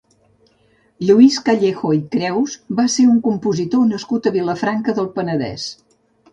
Lluís Callejo i Creus va ser un compositor nascut a Vilafranca del Penedès.